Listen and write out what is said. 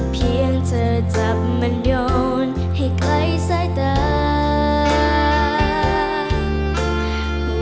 เพียงเธอจับมันโยนให้ไกลสายตา